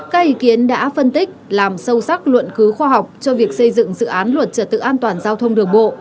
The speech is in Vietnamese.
các ý kiến đã phân tích làm sâu sắc luận cứu khoa học cho việc xây dựng dự án luật trật tự an toàn giao thông đường bộ